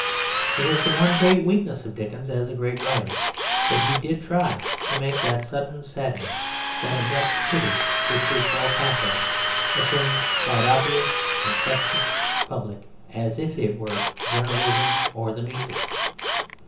It is the one great weakness of Dickens as a great writer, that he did try to make that sudden sadness, that abrupt pity, which we call pathos, a thing quite obvious, infectious, public, as if it were journalism or the measles.